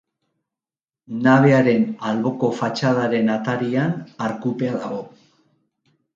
Nabearen alboko fatxadaren atarian arkupea dago.